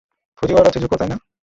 ফুজিওয়ারা চিজুকো, তাই না?